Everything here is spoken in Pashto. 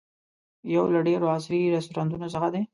یو له ډېرو عصري رسټورانټونو څخه دی.